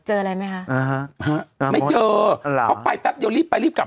อะไรไหมคะอ่าฮะไม่เจอเพราะไปแป๊บเดียวรีบไปรีบกลับ